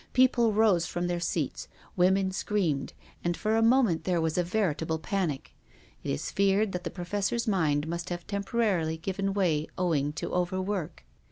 People rose from their seats. Women screamed, and, for a moment, there was a veritable panic. It is feared that the Professor's mind must have temporarily given way owing to overwork.